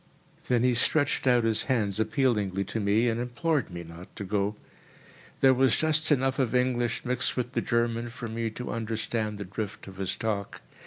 Then he stretched out his hands appealingly to me, and implored me not to go. There was just enough of English mixed with the German for me to understand the drift of his talk.